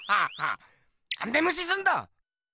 なんでむしすんだ！